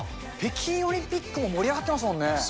北京オリンピック、盛り上がってますもんね。